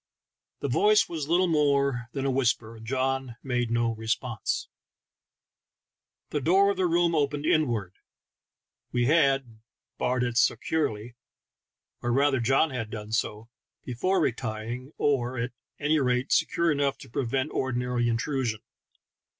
The voice was little more than a whisper, and John made no responfse. The door of the room opened inward; we had barred it securely — or rather John had done so — before retiring, or, at any rate, secure enough to prevent ordinary intrusion.